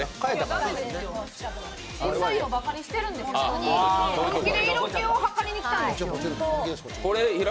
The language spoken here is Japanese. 審査員をばかにしてるんですか、本気で色気をはかりにきたんですよ。